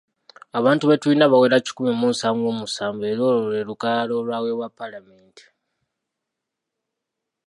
Abantu be tulina bawera kikumi mu nsanvu mu musanvu era olwo lwe lukalala olwaweebwa Paalamenti.